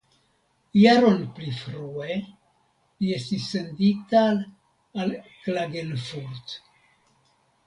Jaron pli frue li estis sendita al Klagenfurt.